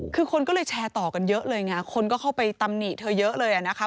คือคนก็เลยแชร์ต่อกันเยอะเลยไงคนก็เข้าไปตำหนิเธอเยอะเลยนะคะ